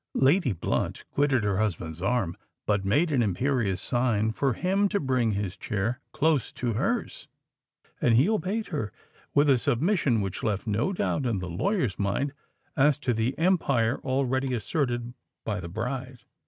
Lady Blunt quitted her husband's arm, but made an imperious sign for him to bring his chair close to hers; and he obeyed her with a submission which left no doubt in the lawyer's mind as to the empire already asserted by the bride.